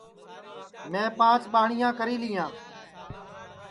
میں پانچ ٻاٹِؔیاں کری لیاں